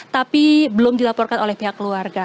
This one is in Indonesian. tapi belum dilaporkan oleh pihak keluarga